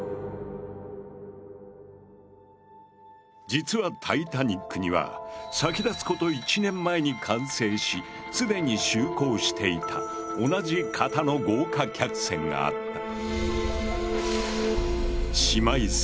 実はタイタニックには先立つこと１年前に完成し既に就航していた同じ型の豪華客船があった。